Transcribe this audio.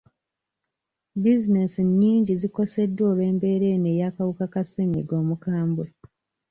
Bizinesi nnyingi zikoseddwa olw'embeera eno ey'akawuka ka ssennyiga omukambwe.